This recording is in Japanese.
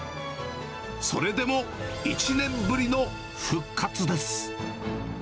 それでも１年ぶりの復活です。